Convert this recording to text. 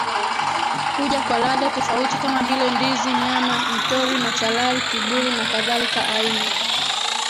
huja kwa ladha tofauti kama vile ndizi nyama mtori machalari kiburu na kadhalikaAina